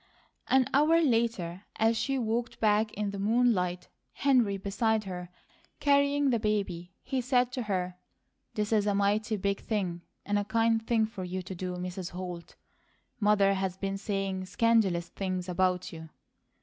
An hour later, as she walked back in the moonlight, Henry beside her carrying the baby, he said to her: "This is a mighty big thing, and a kind thing for you to do, Mrs. Holt. Mother has been saying scandalous things about you."